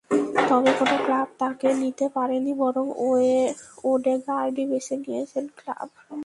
তবে কোনো ক্লাব তাঁকে নিতে পারেনি বরং ওডেগার্ডই বেছে নিয়েছেন ক্লাব।